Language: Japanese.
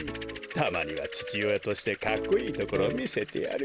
たまにはちちおやとしてかっこいいところをみせてやるか。